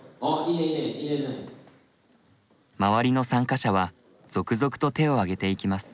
周りの参加者は続々と手を挙げていきます。